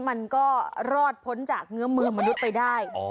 มันก็รอดพ้นจากเงื้อมือมนุษย์ไปได้